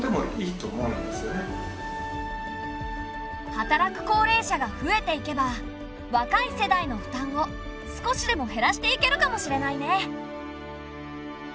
働く高齢者が増えていけば若い世代の負担を少しでも減らしていけるかもしれないね。